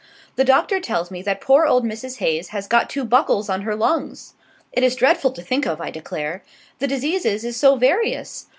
"The Doctor tells me that poor old Mrs. Haze has got two buckles on her lungs! It is dreadful to think of, I declare. The diseases is so various!